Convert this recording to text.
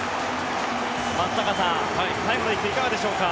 松坂さん、最後の１球いかがでしょうか？